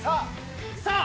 さあ！